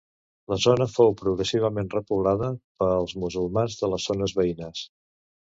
La zona fou progressivament repoblada pels musulmans de les zones veïnes.